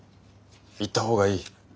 行った方がいい。